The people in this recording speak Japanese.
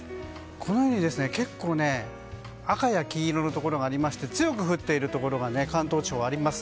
このように結構赤や黄色のところがありまして強く降っているところが関東地方はあります。